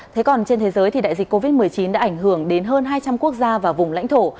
thế còn trên thế giới thì đại dịch covid một mươi chín đã ảnh hưởng đến hơn hai trăm linh quốc gia và vùng lãnh thổ